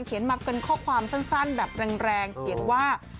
มาเป็นข้อความสั้นแบบแรงเขียนว่า